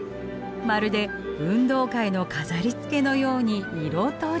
まるで運動会の飾りつけのように色とりどり。